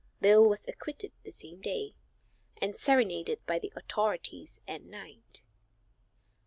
Bill was acquitted the same day, and serenaded by the authorities at night.